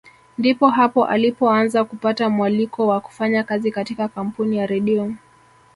Ndipo hapo alipoanza kupata mwaliko wa kufanya kazi katika kampuni ya Redio